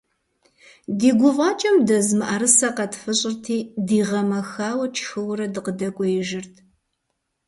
Ди гуфӏакӏэм дэз мыӏэрысэ къэтфыщӏырти, дигъэмэхауэ тшхыуэрэ, дыкъыдэкӏуеижырт.